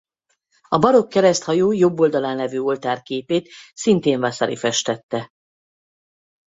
A barokk kereszthajó jobb oldalán lévő oltár képét szintén Vasari festette.